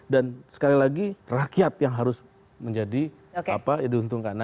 dan sekali lagi rakyat yang harus menjadi diuntungkan